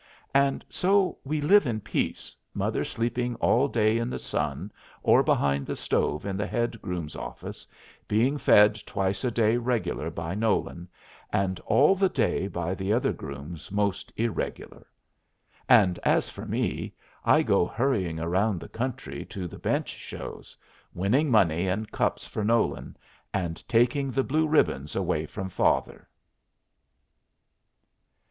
And so we live in peace, mother sleeping all day in the sun, or behind the stove in the head groom's office, being fed twice a day regular by Nolan, and all the day by the other grooms most irregular. And as for me, I go hurrying around the country to the bench shows, winning money and cups for Nolan, and taking the blue ribbons away from father.